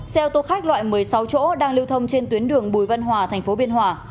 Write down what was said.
xe ô tô khách loại một mươi sáu chỗ đang lưu thông trên tuyến đường bùi văn hòa thành phố biên hòa